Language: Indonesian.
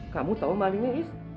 kamu tahu malingnya lois